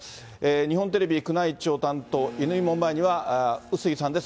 日本テレビ宮内庁担当、乾門前には笛吹さんです。